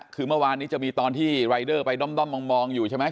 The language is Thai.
คือเมื่อวานนี้จะมีตอนที่รายเดอร์ไปด้อมมองอยู่ใช่ไหม